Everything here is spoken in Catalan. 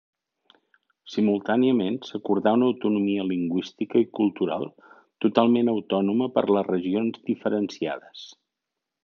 Simultàniament s'acordà una autonomia lingüística i cultural totalment autònoma per a les regions diferenciades.